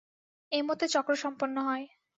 এমতে চক্র সম্পন্ন হয়।